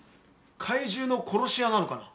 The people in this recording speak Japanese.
怪獣の殺し屋なのかな。